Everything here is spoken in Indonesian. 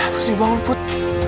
putri bangun put